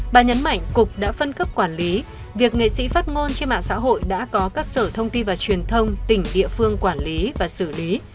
bà nhấn mạnh cục đã phân cấp quản lý việc nghệ sĩ phát ngôn trên mạng xã hội đã có các sở thông tin và truyền thông tỉnh địa phương quản lý và xử lý